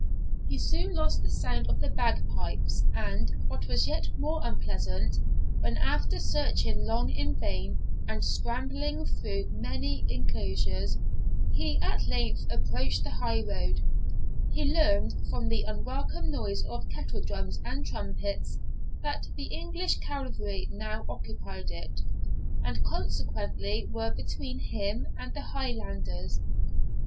He soon lost the sound of the bagpipes; and, what was yet more unpleasant, when, after searching long in vain and scrambling through many enclosures, he at length approached the highroad, he learned, from the unwelcome noise of kettledrums and trumpets, that the English cavalry now occupied it, and consequently were between him and the Highlanders.